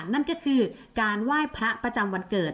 นั่นก็คือการไหว้พระประจำวันเกิด